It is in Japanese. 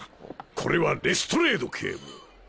これはレストレード警部。